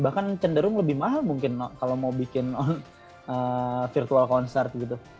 bahkan cenderung lebih mahal mungkin kalau mau bikin virtual concert gitu